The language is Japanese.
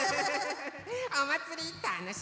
おまつりたのしんでね！